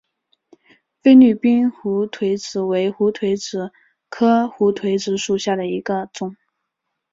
菲律宾胡颓子为胡颓子科胡颓子属下的一个种。